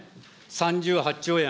３８兆円。